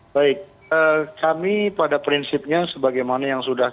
baik kami pada prinsipnya sebagaimana yang sudah